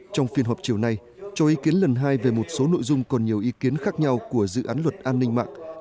trong phiên họp chiều nay cho ý kiến lần hai về một số nội dung còn nhiều ý kiến khác nhau của dự án luật an ninh mạng